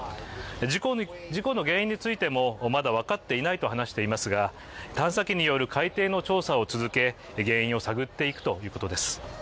事故の原因についても、まだ分かっていないと話していますが探査機による海底の調査を続け、原因を探っていくということです。